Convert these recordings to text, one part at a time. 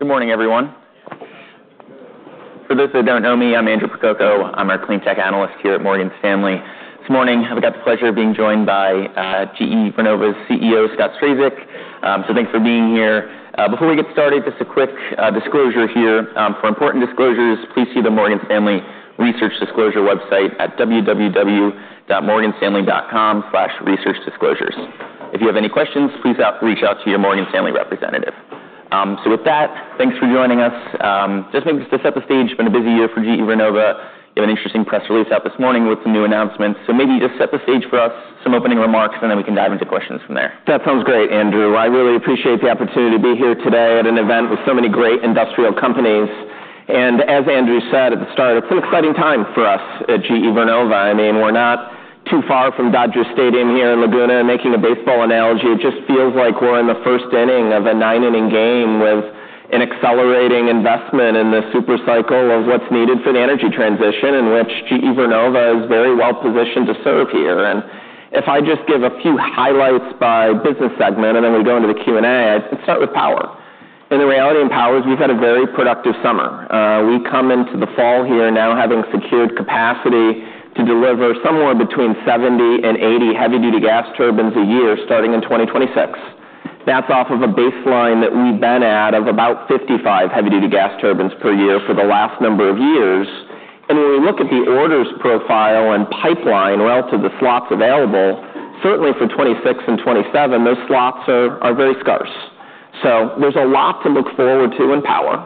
Good morning, everyone. For those that don't know me, I'm Andrew Percoco. I'm a cleantech analyst here at Morgan Stanley. This morning, I've got the pleasure of being joined by GE Vernova's CEO, Scott Strazik. So thanks for being here. Before we get started, just a quick disclosure here. For important disclosures, please see the Morgan Stanley Research Disclosure website at www.morganstanley.com/researchdisclosures. If you have any questions, please reach out to your Morgan Stanley representative. So with that, thanks for joining us. Just maybe to set the stage, been a busy year for GE Vernova. You have an interesting press release out this morning with some new announcements. So maybe just set the stage for us, some opening remarks, and then we can dive into questions from there. That sounds great, Andrew. I really appreciate the opportunity to be here today at an event with so many great industrial companies. And as Andrew said at the start, it's an exciting time for us at GE Vernova. I mean, we're not too far from Dodger Stadium here in Laguna, and making a baseball analogy, it just feels like we're in the first inning of a nine-inning game with an accelerating investment in the super cycle of what's needed for the energy transition, in which GE Vernova is very well positioned to serve here. And if I just give a few highlights by business segment, and then we go into the Q&A, I'd start with power. And the reality in power is we've had a very productive summer. We come into the fall here now having secured capacity to deliver somewhere between 70 and 80 heavy-duty gas turbines a year, starting in 2026. That's off of a baseline that we've been at of about 55 heavy-duty gas turbines per year for the last number of years. When we look at the orders profile and pipeline relative to the slots available, certainly for 2026 and 2027, those slots are very scarce. So there's a lot to look forward to in power.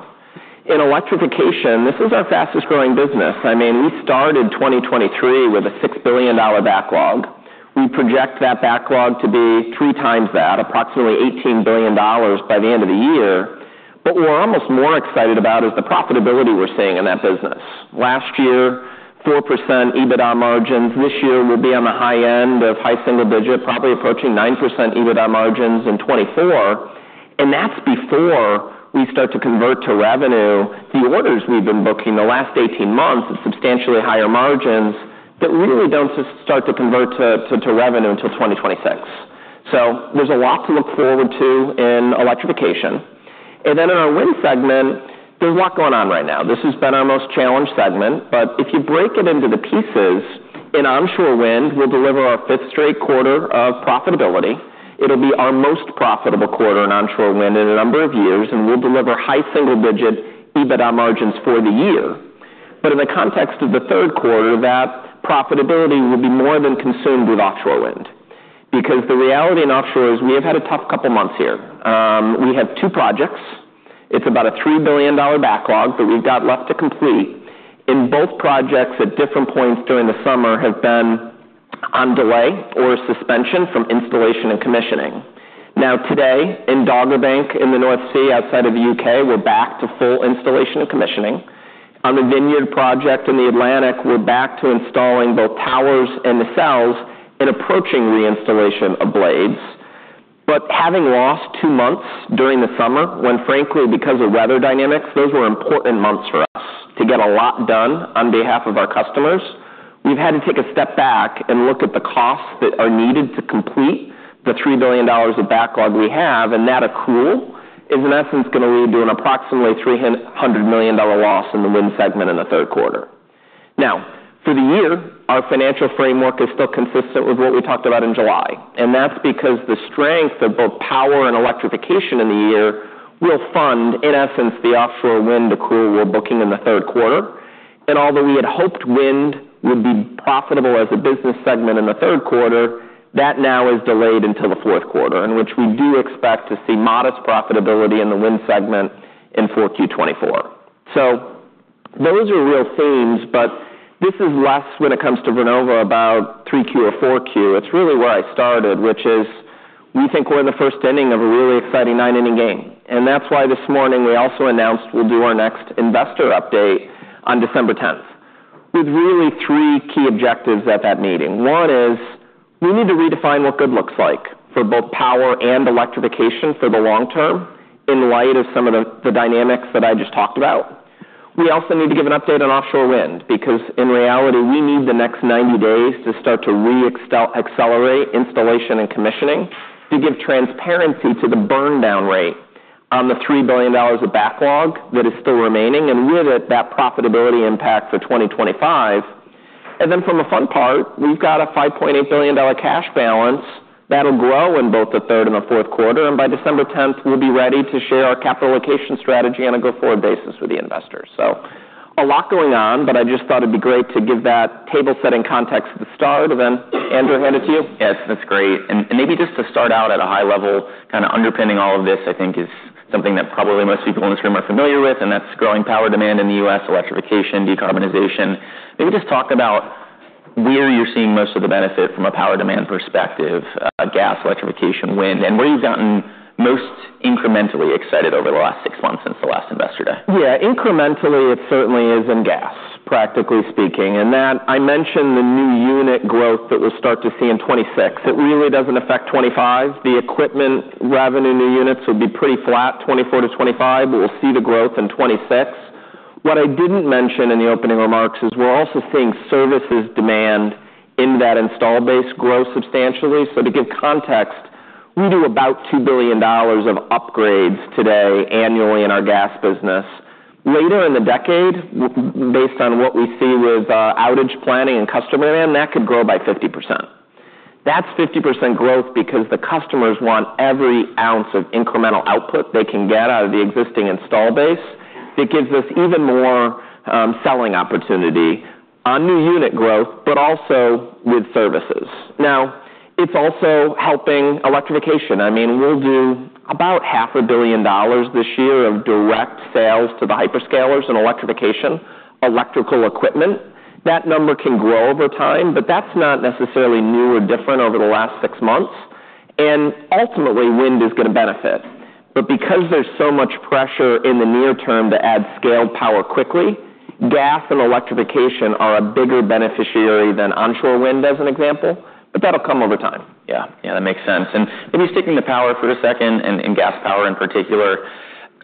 In electrification, this is our fastest-growing business. I mean, we started 2023 with a $6 billion backlog. We project that backlog to be three times that, approximately $18 billion by the end of the year. What we're almost more excited about is the profitability we're seeing in that business. Last year, 4% EBITDA margins. This year, we'll be on the high end of high single digits, probably approaching 9% EBITDA margins in 2024, and that's before we start to convert to revenue the orders we've been booking the last 18 months of substantially higher margins that really don't just start to convert to revenue until 2026. So there's a lot to look forward to in electrification, and then in our wind segment, there's a lot going on right now. This has been our most challenged segment, but if you break it into the pieces, in onshore wind, we'll deliver our fifth straight quarter of profitability. It'll be our most profitable quarter in onshore wind in a number of years, and we'll deliver high single-digit EBITDA margins for the year. But in the context of the third quarter, that profitability will be more than consumed with offshore wind because the reality in offshore is we have had a tough couple of months here. We have two projects. It's about a $3 billion backlog that we've got left to complete, and both projects, at different points during the summer, have been on delay or suspension from installation and commissioning. Now, today, in Dogger Bank, in the North Sea, outside of the U.K., we're back to full installation and commissioning. On the Vineyard project in the Atlantic, we're back to installing both towers and nacelles and approaching the installation of blades. But having lost two months during the summer, when, frankly, because of weather dynamics, those were important months for us to get a lot done on behalf of our customers, we've had to take a step back and look at the costs that are needed to complete the $3 billion of backlog we have, and that accrual is, in essence, gonna lead to an approximately $300 million loss in the wind segment in the third quarter. Now, for the year, our financial framework is still consistent with what we talked about in July, and that's because the strength of both power and electrification in the year will fund, in essence, the offshore wind accrual we're booking in the third quarter. Although we had hoped wind would be profitable as a business segment in the third quarter, that now is delayed until the fourth quarter, in which we do expect to see modest profitability in the wind segment in 4Q 2024. Those are real themes, but this is less when it comes to Vernova about 3Q or 4Q. It's really where I started, which is we think we're in the first inning of a really exciting nine-inning game. That's why this morning we also announced we'll do our next investor update on December tenth. We've really three key objectives at that meeting. One is we need to redefine what good looks like for both power and electrification for the long term in light of some of the dynamics that I just talked about. We also need to give an update on offshore wind, because in reality, we need the next ninety days to start to accelerate installation and commissioning to give transparency to the burn-down rate on the $3 billion of backlog that is still remaining and limit that profitability impact for 2025. And then from the fun part, we've got a $5.8 billion cash balance that'll grow in both the third and the fourth quarter, and by December tenth, we'll be ready to share our capital allocation strategy on a go-forward basis with the investors. So a lot going on, but I just thought it'd be great to give that table-setting context at the start, and then, Andrew, hand it to you. Yes, that's great. And maybe just to start out at a high level, kind of underpinning all of this, I think, is something that probably most people on the screen are familiar with, and that's growing power demand in the U.S., electrification, decarbonization. Maybe just talk about where you're seeing most of the benefit from a power demand perspective, gas, electrification, wind, and where you've gotten most incrementally excited over the last six months since the last Investor Day? Yeah, incrementally, it certainly is in gas, practically speaking, and that I mentioned the new unit growth that we'll start to see in 2026. It really doesn't affect 2025. The equipment revenue, new units will be pretty flat, 2024 to 2025, but we'll see the growth in 2026. What I didn't mention in the opening remarks is we're also seeing services demand in that installed base grow substantially. So to give context, we do about $2 billion of upgrades today annually in our gas business. Later in the decade, based on what we see with outage planning and customer demand, that could grow by 50%. That's 50% growth because the customers want every ounce of incremental output they can get out of the existing install base. It gives us even more selling opportunity on new unit growth, but also with services. Now, it's also helping electrification. I mean, we'll do about $500 million this year of direct sales to the hyperscalers in electrification, electrical equipment. That number can grow over time, but that's not necessarily new or different over the last six months, and ultimately, wind is gonna benefit, but because there's so much pressure in the near term to add scaled power quickly, gas and electrification are a bigger beneficiary than onshore wind, as an example, but that'll come over time. Yeah. Yeah, that makes sense. And maybe sticking to power for a second, and gas power in particular,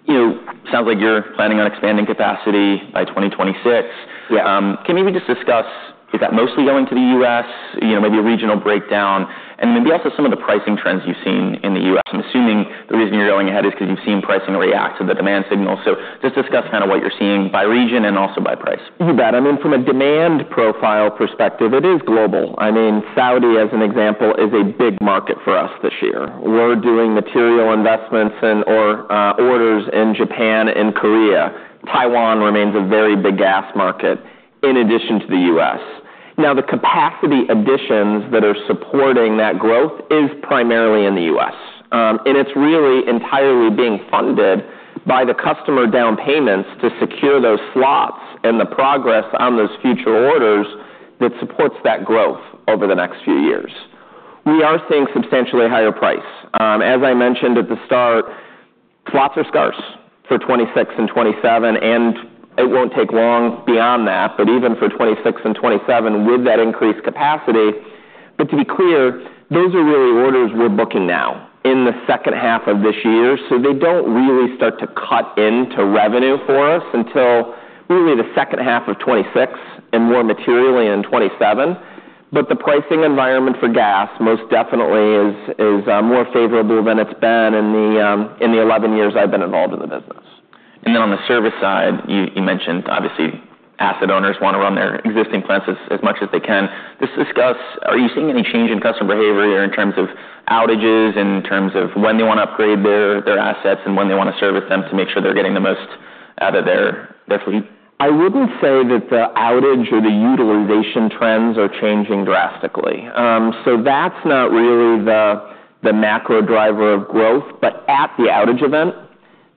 you know, sounds like you're planning on expanding capacity by 2026. Yeah. Can you maybe just discuss, is that mostly going to the U.S., you know, maybe a regional breakdown, and maybe also some of the pricing trends you've seen in the U.S.? I'm assuming the reason you're going ahead is because you've seen pricing react to the demand signal. So just discuss kind of what you're seeing by region and also by price. You bet. I mean, from a demand profile perspective, it is global. I mean, Saudi, as an example, is a big market for us this year. We're doing material investments or orders in Japan and Korea. Taiwan remains a very big gas market, in addition to the U.S. Now, the capacity additions that are supporting that growth is primarily in the U.S., and it's really entirely being funded by the customer down payments to secure those slots and the progress on those future orders that supports that growth over the next few years. We are seeing substantially higher price. As I mentioned at the start, slots are scarce for 2026 and 2027, and it won't take long beyond that, but even for 2026 and 2027, with that increased capacity... But to be clear, those are really orders we're booking now in the second half of this year, so they don't really start to cut into revenue for us until really the second half of 2026 and more materially in 2027. But the pricing environment for gas most definitely is more favorable than it's been in the eleven years I've been involved in the business. And then on the service side, you mentioned obviously, asset owners wanna run their existing plants as much as they can. Just discuss: are you seeing any change in customer behavior in terms of outages, in terms of when they wanna upgrade their assets, and when they wanna service them to make sure they're getting the most out of their fleet? I wouldn't say that the outage or the utilization trends are changing drastically. So that's not really the macro driver of growth, but at the outage event,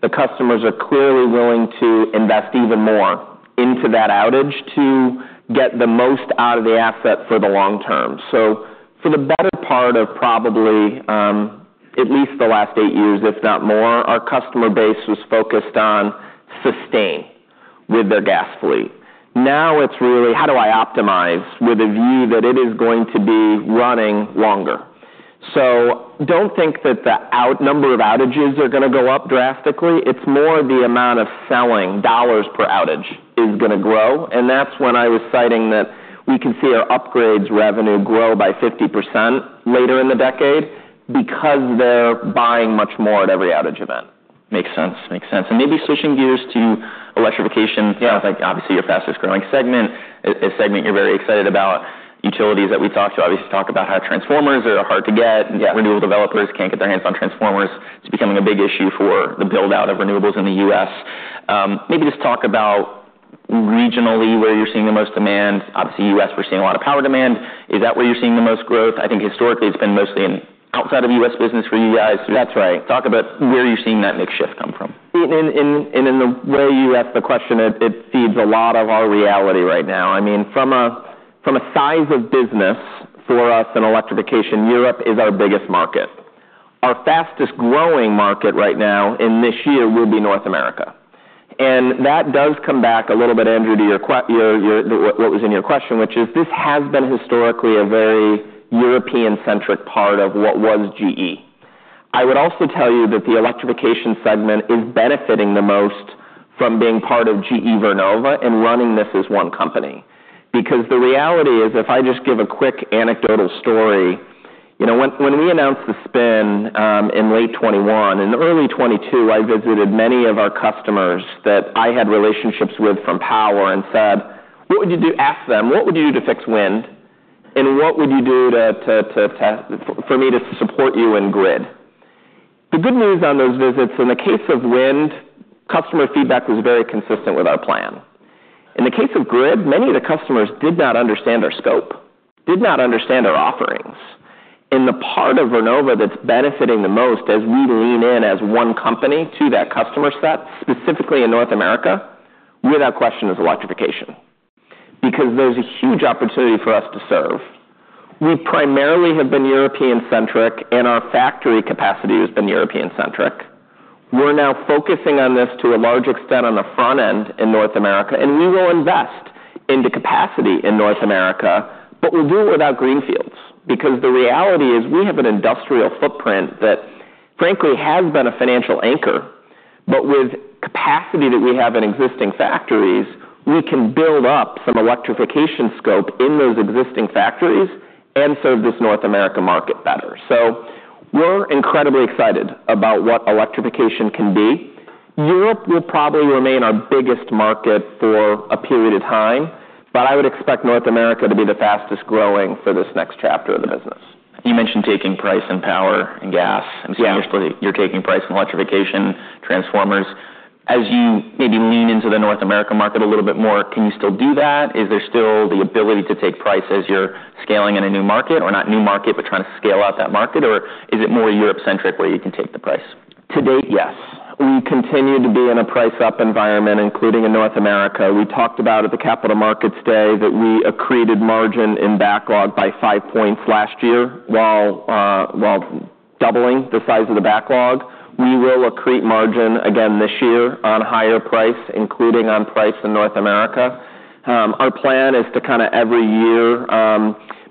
the customers are clearly willing to invest even more into that outage to get the most out of the asset for the long term. So for the better part of probably at least the last eight years, if not more, our customer base was focused on sustain with their gas fleet. Now it's really: How do I optimize with a view that it is going to be running longer? So don't think that the number of outages are gonna go up drastically. It's more the amount of selling dollars per outage is gonna grow, and that's when I was citing that we can see our upgrades revenue grow by 50% later in the decade because they're buying much more at every outage event. Makes sense. Makes sense. And maybe switching gears to electrification- Yeah. Like, obviously, your fastest-growing segment, a segment you're very excited about. Utilities that we talk to obviously talk about how transformers are hard to get. Yeah. Renewable developers can't get their hands on transformers. It's becoming a big issue for the build-out of renewables in the U.S. Maybe just talk about regionally, where you're seeing the most demand. Obviously, U.S., we're seeing a lot of power demand. Is that where you're seeing the most growth? I think historically, it's been mostly in outside of U.S. business for you guys. That's right. Talk about where you're seeing that mix shift come from. In the way you ask the question, it feeds a lot of our reality right now. I mean, from a size of business for us in electrification, Europe is our biggest market. Our fastest-growing market right now in this year will be North America, and that does come back a little bit, Andrew, to your question. What was in your question, which is this has been historically a very European-centric part of what was GE. I would also tell you that the electrification segment is benefiting the most from being part of GE Vernova and running this as one company. Because the reality is, if I just give a quick anecdotal story, you know, when we announced the spin in late 2021 and early 2022, I visited many of our customers that I had relationships with from power and said: "What would you do?" Asked them: "What would you do to fix wind, and what would you do to for me to support you in grid?" The good news on those visits, in the case of wind, customer feedback was very consistent with our plan. In the case of grid, many of the customers did not understand our scope, did not understand our offerings, and the part of Vernova that's benefiting the most as we lean in as one company to that customer set, specifically in North America, without question, is electrification, because there's a huge opportunity for us to serve. We primarily have been European-centric, and our factory capacity has been European-centric. We're now focusing on this to a large extent on the front end in North America, and we will invest in the capacity in North America, but we'll do it without greenfields. Because the reality is, we have an industrial footprint that frankly, has been a financial anchor. But with capacity that we have in existing factories, we can build up some electrification scope in those existing factories and serve this North America market better. So we're incredibly excited about what electrification can be. Europe will probably remain our biggest market for a period of time, but I would expect North America to be the fastest-growing for this next chapter of the business. You mentioned taking price and power and gas- Yeah. Seriously, you're taking price in electrification, transformers. As you maybe lean into the North America market a little bit more, can you still do that? Is there still the ability to take price as you're scaling in a new market, or not new market, but trying to scale out that market? Or is it more Europe-centric where you can take the price? To date, yes. We continue to be in a price-up environment, including in North America. We talked about at the Capital Markets Day that we accreted margin in backlog by five points last year, while doubling the size of the backlog. We will accrete margin again this year on higher price, including on price in North America. Our plan is to kind of every year,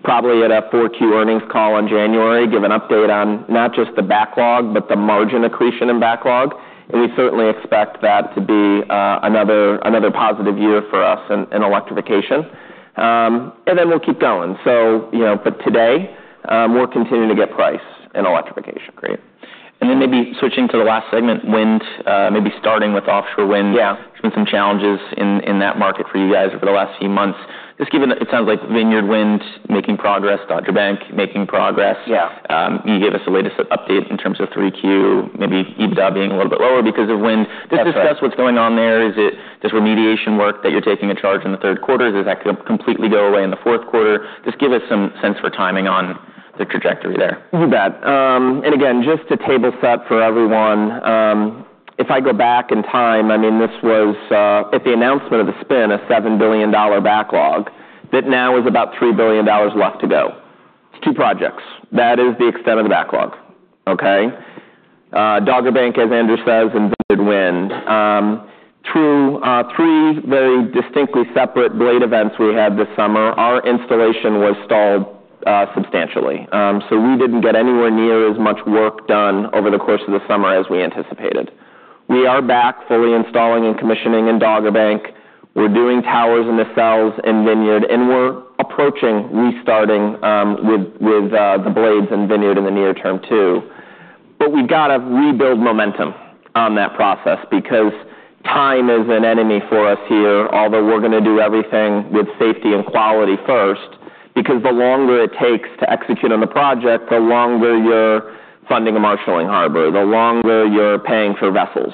probably at a four-Q earnings call in January, give an update on not just the backlog, but the margin accretion and backlog. And we certainly expect that to be another positive year for us in electrification, and then we'll keep going, so you know, but today, we're continuing to get price in electrification. Great. And then maybe switching to the last segment, wind, maybe starting with offshore wind. Yeah. There's been some challenges in that market for you guys over the last few months. Just given that it sounds like Vineyard Wind making progress, Dogger Bank making progress. Yeah. Can you give us the latest update in terms of 3Q, maybe EBITDA being a little bit lower because of wind? That's right. Just discuss what's going on there. Is it just remediation work that you're taking a charge in the third quarter? Does that completely go away in the fourth quarter? Just give us some sense for timing on the trajectory there. You bet. And again, just to table set for everyone, if I go back in time, I mean, this was, at the announcement of the spin, a $7 billion backlog that now is about $3 billion left to go. It's two projects. That is the extent of the backlog, okay? Dogger Bank, as Andrew says, and Vineyard Wind. Through three very distinctly separate blade events we had this summer, our installation was stalled substantially. So we didn't get anywhere near as much work done over the course of the summer as we anticipated. We are back fully installing and commissioning in Dogger Bank. We're doing towers in the nacelles in Vineyard, and we're approaching restarting with the blades in Vineyard in the near term, too. But we've got to rebuild momentum on that process because time is an enemy for us here, although we're going to do everything with safety and quality first, because the longer it takes to execute on the project, the longer you're funding a marshaling harbor, the longer you're paying for vessels,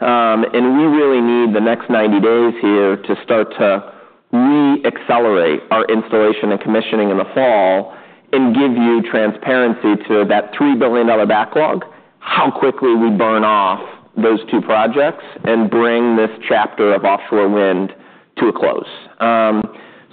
and we really need the next 90 days here to start to re-accelerate our installation and commissioning in the fall and give you transparency to that $3 billion backlog, how quickly we burn off those two projects and bring this chapter of offshore wind to a close,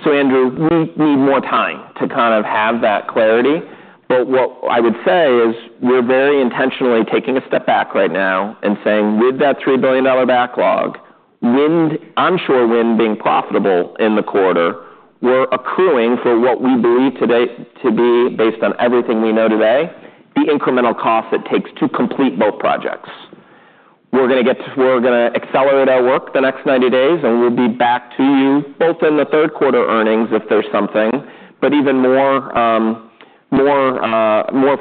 so Andrew, we need more time to kind of have that clarity. But what I would say is we're very intentionally taking a step back right now and saying, with that $3 billion backlog, onshore wind being profitable in the quarter, we're accruing for what we believe today to be, based on everything we know today, the incremental cost it takes to complete both projects. We're gonna accelerate our work the next 90 days, and we'll be back to you both in the third quarter earnings, if there's something, but even more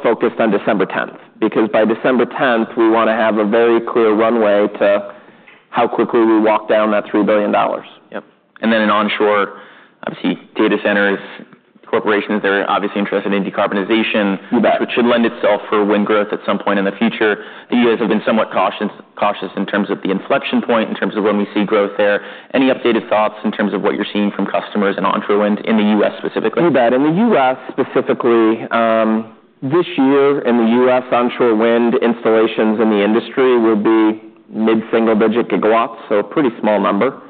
focused on December tenth. Because by December tenth, we want to have a very clear runway to how quickly we walk down that $3 billion. Yep. And then in onshore, obviously, data centers, corporations are obviously interested in decarbonization- You bet. -which should lend itself for wind growth at some point in the future. The years have been somewhat cautious, cautious in terms of the inflection point, in terms of when we see growth there. Any updated thoughts in terms of what you're seeing from customers and onshore wind in the U.S. specifically? You bet. In the U.S., specifically, this year in the U.S., onshore wind installations in the industry will be mid-single digit gigawatts, so a pretty small number.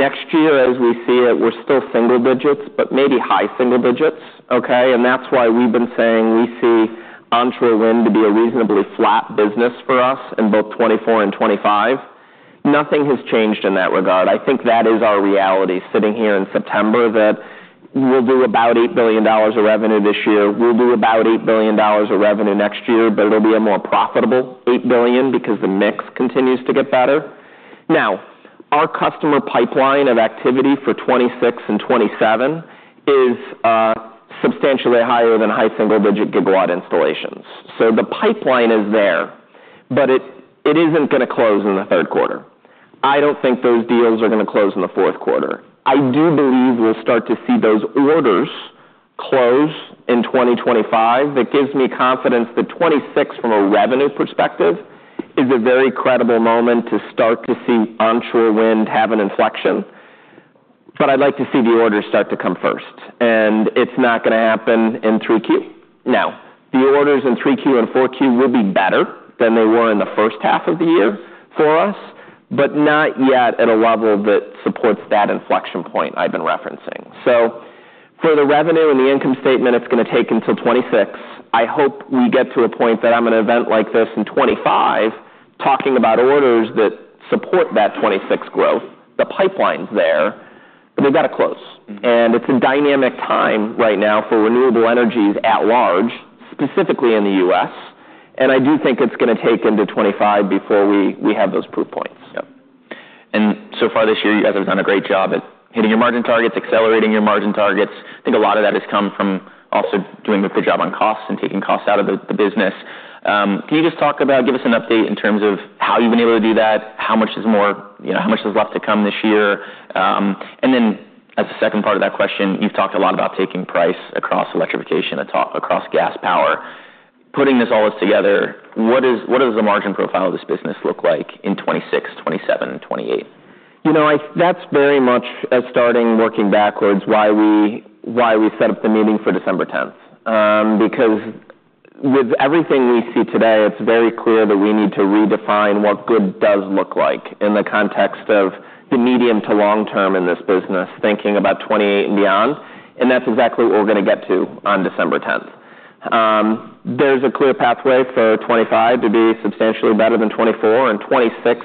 Next year, as we see it, we're still single digits, but maybe high single digits, okay? And that's why we've been saying we see onshore wind to be a reasonably flat business for us in both 2024 and 2025. Nothing has changed in that regard. I think that is our reality, sitting here in September, that we'll do about $8 billion of revenue this year. We'll do about $8 billion of revenue next year, but it'll be a more profitable $8 billion because the mix continues to get better. Now, our customer pipeline of activity for 2026 and 2027 is substantially higher than high single-digit gigawatt installations. The pipeline is there, but it isn't gonna close in the third quarter. I don't think those deals are gonna close in the fourth quarter. I do believe we'll start to see those orders close in 2025. That gives me confidence that 2026, from a revenue perspective, is a very credible moment to start to see onshore wind have an inflection. But I'd like to see the orders start to come first, and it's not gonna happen in 3Q. Now, the orders in 3Q and 4Q will be better than they were in the first half of the year for us, but not yet at a level that supports that inflection point I've been referencing. For the revenue and the income statement, it's gonna take until 2026. I hope we get to a point that I'm at an event like this in 2025, talking about orders that support that 2026 growth. The pipeline's there, but we've got to close, and it's a dynamic time right now for renewable energies at large, specifically in the U.S., and I do think it's gonna take into 2025 before we have those proof points. Yep. And so far this year, you guys have done a great job at hitting your margin targets, accelerating your margin targets. I think a lot of that has come from also doing a good job on costs and taking costs out of the, the business. Can you just talk about, give us an update in terms of how you've been able to do that? How much more, you know, how much is left to come this year? And then as a second part of that question, you've talked a lot about taking price across electrification, across gas power. Putting this all together, what is, what does the margin profile of this business look like in 2026, 2027, and 2028? You know, that's very much starting working backwards, why we, why we set up the meeting for December tenth. Because with everything we see today, it's very clear that we need to redefine what good does look like in the context of the medium to long term in this business, thinking about 2028 and beyond, and that's exactly what we're gonna get to on December tenth. There's a clear pathway for 2025 to be substantially better than 2024 and 2026,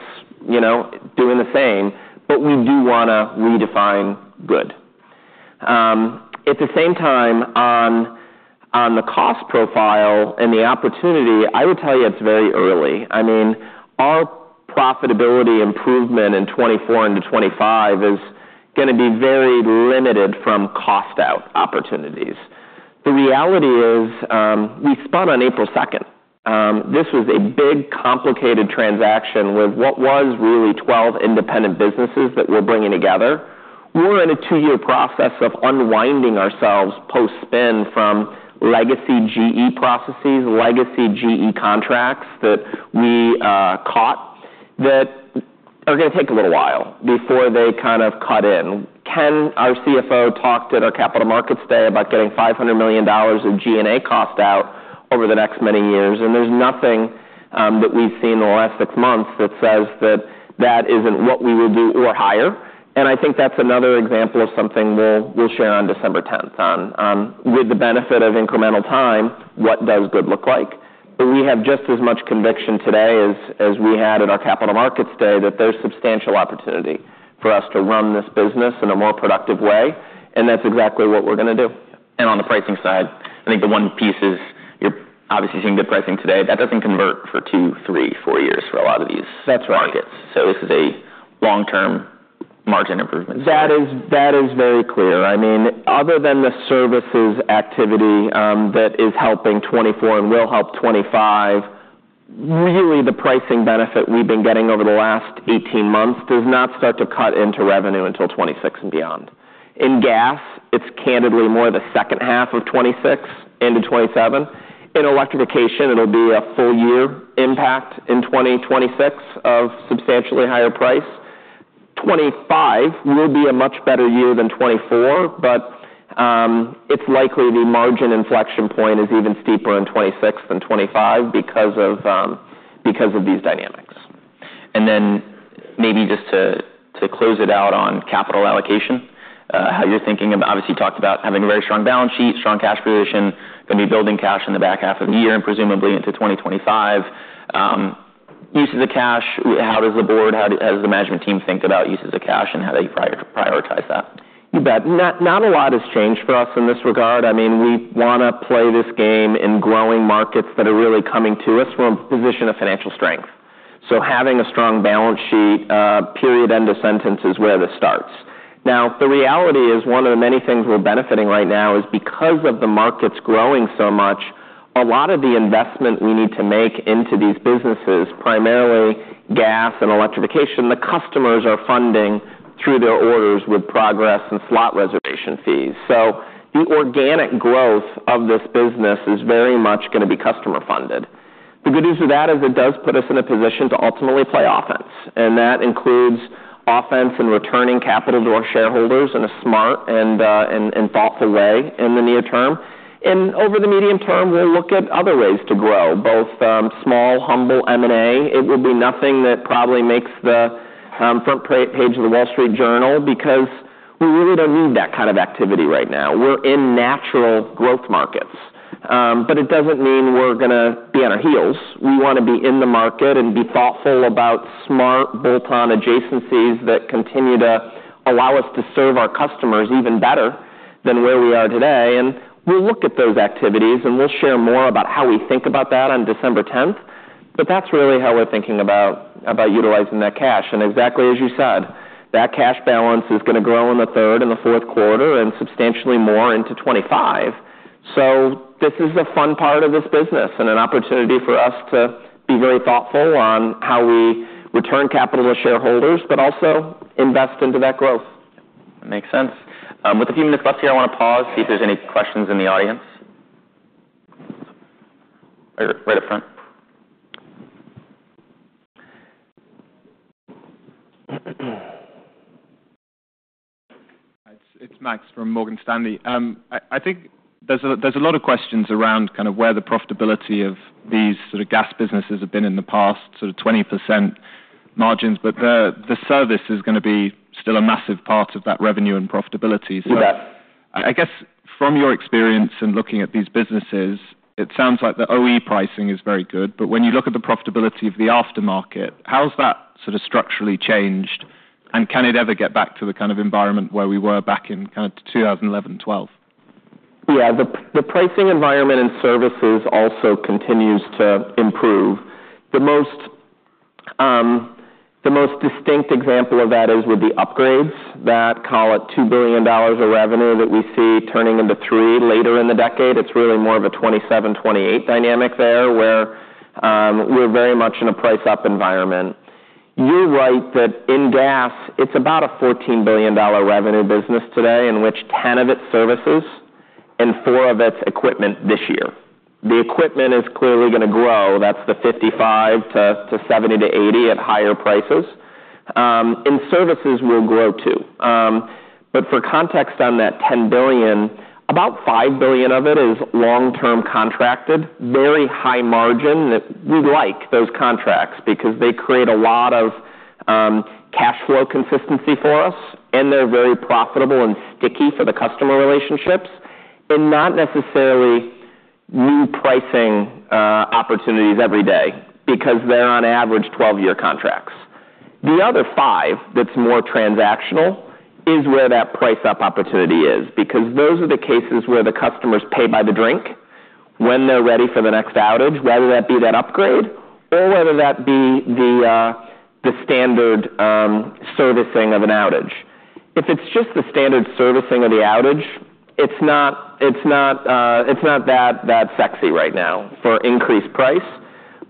you know, doing the same, but we do wanna redefine good. At the same time, on, on the cost profile and the opportunity, I would tell you it's very early. I mean, our profitability improvement in 2024 into 2025 is gonna be very limited from cost out opportunities. The reality is, we spun on April second. This was a big, complicated transaction with what was really twelve independent businesses that we're bringing together. We were in a two-year process of unwinding ourselves post-spin from legacy GE processes, legacy GE contracts that we caught, that are gonna take a little while before they kind of cut in. Ken, our CFO, talked at our Capital Markets Day about getting $500 million in G&A cost out over the next many years, and there's nothing that we've seen in the last six months that says that that isn't what we will do or higher. I think that's another example of something we'll share on December tenth, with the benefit of incremental time, what does good look like? But we have just as much conviction today as we had at our Capital Markets Day, that there's substantial opportunity for us to run this business in a more productive way, and that's exactly what we're gonna do. And on the pricing side, I think the one piece is you're obviously seeing good pricing today. That doesn't convert for two, three, four years for a lot of these- That's right. Markets. So this is a long-term margin improvement. That is, that is very clear. I mean, other than the services activity, that is helping 2024 and will help 2025, really, the pricing benefit we've been getting over the last 18 months does not start to cut into revenue until 2026 and beyond. In gas, it's candidly more the second half of 2026 into 2027. In electrification, it'll be a full year impact in 2026 of substantially higher price. 2025 will be a much better year than 2024, but, it's likely the margin inflection point is even steeper in 2026 than 2025 because of these dynamics. Then maybe just to close it out on capital allocation, how you're thinking about... Obviously, you talked about having a very strong balance sheet, strong cash position, gonna be building cash in the back half of the year and presumably into 2025. Uses of cash, how does the board, how does the management team think about uses of cash and how they prioritize that? You bet. Not, not a lot has changed for us in this regard. I mean, we wanna play this game in growing markets that are really coming to us from a position of financial strength. So having a strong balance sheet, period. End of sentence, is where this starts. Now, the reality is, one of the many things we're benefiting right now is because of the markets growing so much. A lot of the investment we need to make into these businesses, primarily gas and electrification, the customers are funding through their orders with progress and slot reservation fees. So the organic growth of this business is very much gonna be customer funded. The good news of that is it does put us in a position to ultimately play offense, and that includes offense and returning capital to our shareholders in a smart and thoughtful way in the near term, and over the medium term, we'll look at other ways to grow, both small, humble M&A. It would be nothing that probably makes the front page of The Wall Street Journal, because we really don't need that kind of activity right now. We're in natural growth markets, but it doesn't mean we're gonna be on our heels. We wanna be in the market and be thoughtful about smart bolt-on adjacencies that continue to allow us to serve our customers even better than where we are today. We'll look at those activities, and we'll share more about how we think about that on December tenth, but that's really how we're thinking about utilizing that cash. Exactly as you said, that cash balance is gonna grow in the third and the fourth quarter and substantially more into 2025. This is a fun part of this business and an opportunity for us to be very thoughtful on how we return capital to shareholders, but also invest into that growth. Makes sense. With a few minutes left here, I wanna pause, see if there's any questions in the audience. Right up, right up front. It's Max from Morgan Stanley. I think there's a lot of questions around kind of where the profitability of these sort of gas businesses have been in the past, sort of 20% margins, but the service is gonna be still a massive part of that revenue and profitability. So- Right.... I guess from your experience in looking at these businesses, it sounds like the OE pricing is very good, but when you look at the profitability of the aftermarket, how has that sort of structurally changed? And can it ever get back to the kind of environment where we were back in kind of 2011, 2012? Yeah, the pricing environment and services also continues to improve. The most distinct example of that is with the upgrades that call for $2 billion of revenue that we see turning into $3 billion later in the decade. It's really more of a 2027, 2028 dynamic there, where we're very much in a price-up environment. You're right that in gas, it's about a $14 billion revenue business today, in which $10 billion of it is services and $4 billion of it is equipment this year. The equipment is clearly going to grow. That's the 55 to 70 to 80 at higher prices, and services will grow, too. But for context on that $10 billion, about $5 billion of it is long-term contracted, very high margin. That we like those contracts because they create a lot of cash flow consistency for us, and they're very profitable and sticky for the customer relationships and not necessarily new pricing opportunities every day because they're on average twelve-year contracts. The other five, that's more transactional, is where that price-up opportunity is, because those are the cases where the customers pay by the drink when they're ready for the next outage, whether that be that upgrade or whether that be the standard servicing of an outage. If it's just the standard servicing of the outage, it's not that sexy right now for increased price.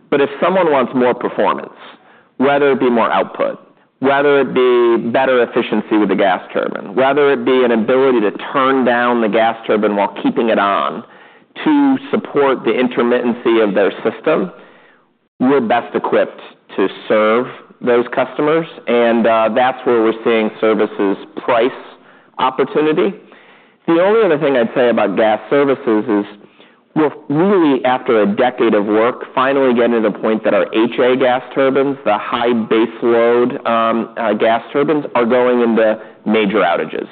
But if someone wants more performance, whether it be more output, whether it be better efficiency with the gas turbine, whether it be an ability to turn down the gas turbine while keeping it on to support the intermittency of their system, we're best equipped to serve those customers, and that's where we're seeing services price opportunity. The only other thing I'd say about gas services is we're really, after a decade of work, finally getting to the point that our HA gas turbines, the high baseload, gas turbines, are going into major outages.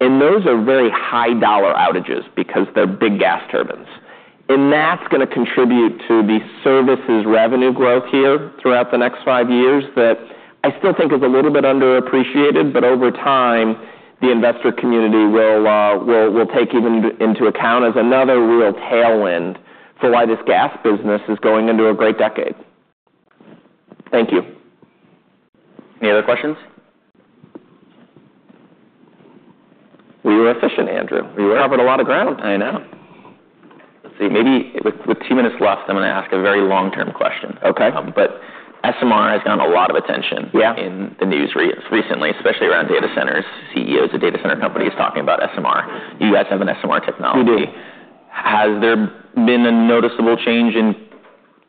Those are very high dollar outages because they're big gas turbines, and that's going to contribute to the services revenue growth here throughout the next five years that I still think is a little bit underappreciated, but over time, the investor community will take even into account as another real tailwind for why this gas business is going into a great decade. Thank you. Any other questions? We were efficient, Andrew. We covered a lot of ground. I know. Let's see, maybe with two minutes left, I'm going to ask a very long-term question. Okay. But SMR has gotten a lot of attention. Yeah In the news recently, especially around data centers. CEOs of data center companies talking about SMR. You guys have an SMR technology. We do. Has there been a noticeable change in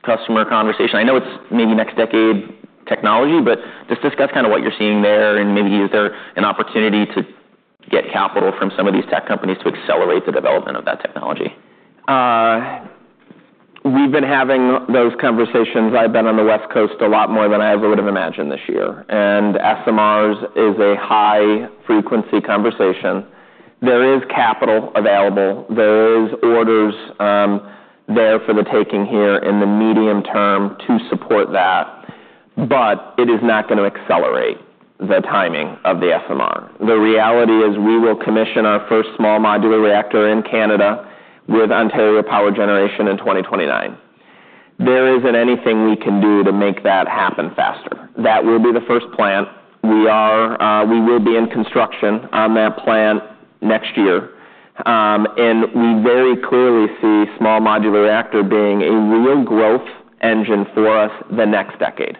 customer conversation? I know it's maybe next decade technology, but just discuss kind of what you're seeing there, and maybe is there an opportunity to get capital from some of these tech companies to accelerate the development of that technology? We've been having those conversations. I've been on the West Coast a lot more than I ever would have imagined this year, and SMRs is a high-frequency conversation. There is capital available. There is orders there for the taking here in the medium term to support that, but it is not going to accelerate the timing of the SMR. The reality is we will commission our first small modular reactor in Canada with Ontario Power Generation in twenty twenty-nine. There isn't anything we can do to make that happen faster. That will be the first plant. We will be in construction on that plant next year, and we very clearly see small modular Reactor being a real growth engine for us the next decade.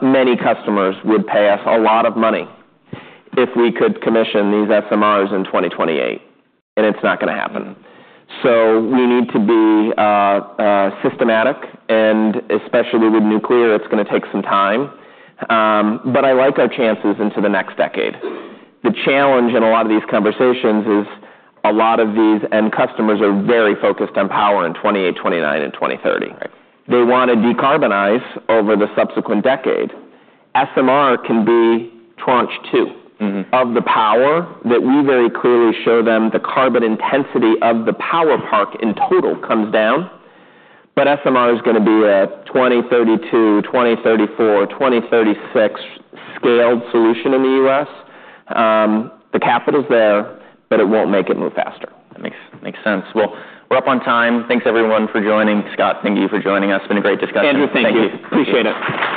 Many customers would pay us a lot of money if we could commission these SMRs in 2028, and it's not going to happen. So we need to be systematic, and especially with nuclear, it's going to take some time. But I like our chances into the next decade. The challenge in a lot of these conversations is a lot of these end customers are very focused on power in 2028, 2029, and 2030. Right. They want to decarbonize over the subsequent decade. SMR can be tranche two- Mm-hmm -of the power that we very clearly show them the carbon intensity of the power park in total comes down, but SMR is going to be a 2032, 2034, 2036 scaled solution in the U.S. The capital's there, but it won't make it move faster. That makes sense. We're up on time. Thanks, everyone, for joining. Scott, thank you for joining us. It's been a great discussion. Andrew, thank you. Appreciate it.